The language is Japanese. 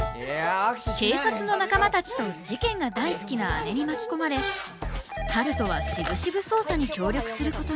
警察の仲間たちと事件が大好きな姉に巻き込まれ春風はしぶしぶ捜査に協力することに。